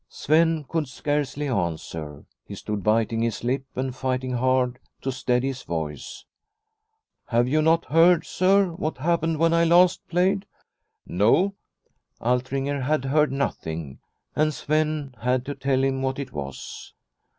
Sven could scarcely answer. He stood biting his lip and fighting hard to steady his voice. " Have you not heard, sir, what happened when I last played ?" No ; Altringer had heard nothing; and Sven had to tell what it was.